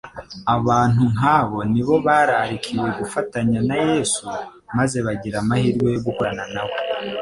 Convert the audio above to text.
Abantu nk'abo ni bo bararikiwe gufatanya na Yesu, maze bagira amahirwe yo gukorana na we.